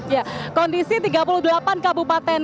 ya kondisi tiga puluh delapan kabupaten